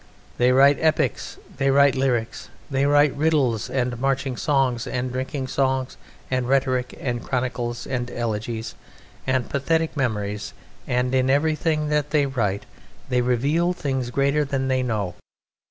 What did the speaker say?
"They write epics, they write lyrics, they write riddles and marching songs and drinking songs and rhetoric, and chronicles, and elegies, and pathetic memories; and in everything that they write they reveal things greater than they know.